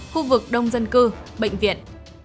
khu vực đông dân cư bệnh viện